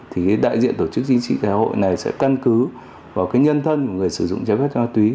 thì đại diện tổ chức chính trị xã hội này sẽ căn cứ vào nhân thân của người sử dụng trái phép chất ma túy